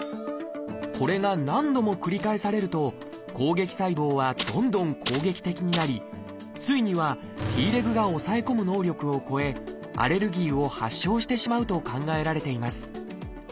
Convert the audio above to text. これが何度も繰り返されると攻撃細胞はどんどん攻撃的になりついにはＴレグが抑え込む能力を超えアレルギーを発症してしまうと考えられています。